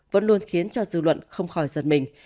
vẫn luôn khiến cho dư luận không khỏi giật mình